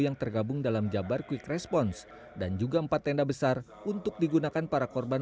yang tergabung dalam jabar quick response dan juga empat tenda besar untuk digunakan para korban